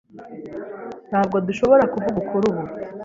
Ntabwo dushobora kuvuga kuri ubu?